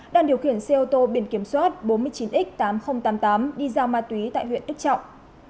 đang điều khiển xe ô tô biển kiểm soát bốn mươi chín x tám nghìn tám mươi tám đi giao ma túy tại huyện đức trọng